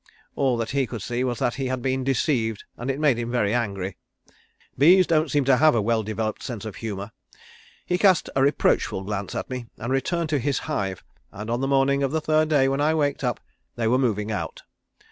All that he could see was that he had been deceived, and it made him very angry. Bees don't seem to have a well developed sense of humour. He cast a reproachful glance at me and returned to his hive and on the morning of the third day when I waked up they were moving out.